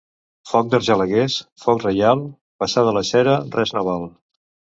Foc d'argelagues, foc reial, passada la xera res no val.